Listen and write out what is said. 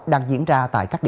mang tính sát phạt